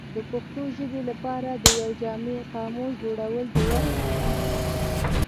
د پښتو ژبې لپاره د یو جامع قاموس جوړول د وخت غوښتنه ده.